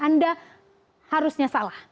anda harusnya salah